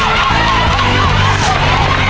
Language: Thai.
ภายในเวลา๓นาที